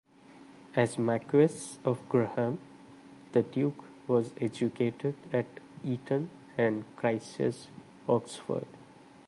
As Marquess of Graham, the Duke was educated at Eton and Christ Church, Oxford.